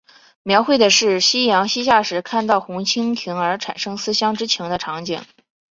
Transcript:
描绘的是夕阳西下时看到红蜻蜓而产生思乡之情的场景。